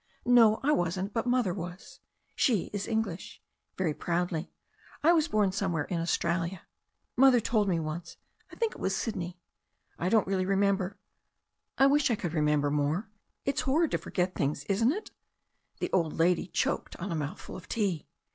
"No, I wasn't. But Mother was. She is English" — ^very proudly — "I was born somewhere in Australia, Mother told me once. I think it was Sydney. I don't really remember. I wish I could remember more. It's horrid to forget things, isn't it?" The old lady choked on a mouthful of tea.